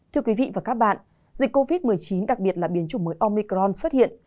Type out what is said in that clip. thưa quý vị và các bạn dịch covid một mươi chín đặc biệt là biến chủng mới omicron xuất hiện